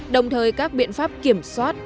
đồng thời các biện pháp kiểm soát